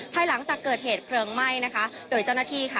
ภายหลังจากเกิดเหตุเพลิงไหม้นะคะโดยเจ้าหน้าที่ค่ะ